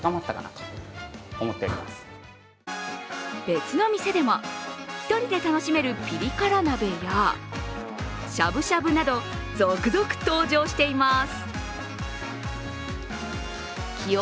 別の店でも一人で楽しめるピリ辛鍋やしゃぶしゃぶなど続々登場しています。